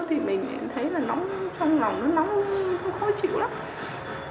bảy tám h tự nhiên hôm đó thì mình thấy là nóng trong lòng nóng nó khó chịu lắm